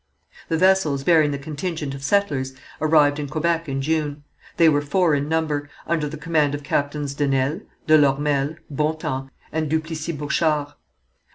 The vessels bearing the contingent of settlers arrived in Quebec in June. They were four in number, under the command of Captains de Nesle, de Lormel, Bontemps, and Duplessis Bochart.